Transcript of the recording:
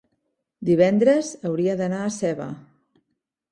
divendres hauria d'anar a Seva.